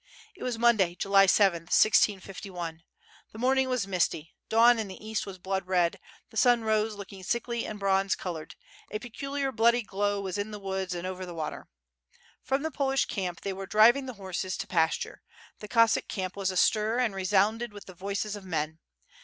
It was Monday, July 7th, 1651. The morning was misty, dawn in the east was blood red, the sun rose looking sickly and bronze colored; a peculiar bloody glow was in the wodds and over the water! From the Polish camp they were driving the horses to pas ture; the Cossack camp was astir and resounded with the voices of men.